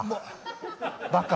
バカ。